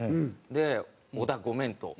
で「小田ごめん」と。